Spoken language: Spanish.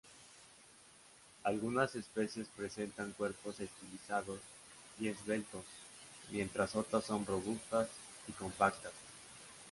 Algunas especies presentan cuerpos estilizados y esbeltos mientras otras son robustas y compactas.